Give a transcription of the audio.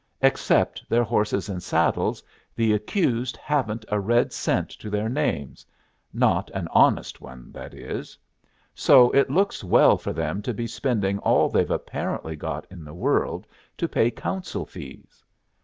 Except their horses and saddles, the accused haven't a red cent to their names not an honest one, that is. So it looks well for them to be spending all they've apparently got in the world to pay counsel fees.